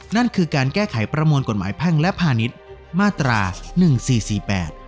นั่นคือการแก้ไขประมวลกฎหมายแพ่งและพาณิชย์มาตราหนึ่งสี่สี่แปด